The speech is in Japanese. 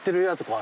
あ。